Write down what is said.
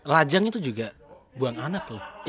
lajang itu juga buang anak loh